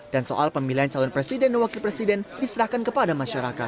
dan soal pemilihan calon presiden dan wakil presiden diserahkan kepada masyarakat